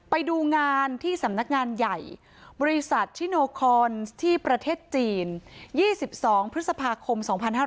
ไปดูงานที่สำนักงานใหญ่บริษัทชิโนคอนที่ประเทศจีน๒๒พฤษภาคม๒๕๕๙